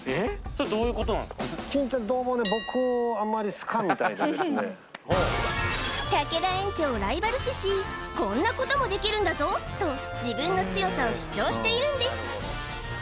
それどういうことなんすかどうもね竹田園長をライバル視し「こんなこともできるんだぞ」と自分の強さを主張しているんです